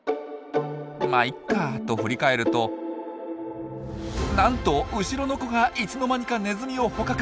「まっいいか」と振り返るとなんと後ろの子がいつの間にかネズミを捕獲！